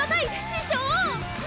師匠？